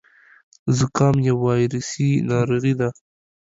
زکام يو وايرسي ناروغي ده.